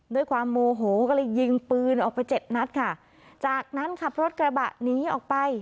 ด้วยความโมโหก็เลยยิงปืนออกไปเจ็ดนัดค่ะจากนั้นขับรถกระบะหนีออกไป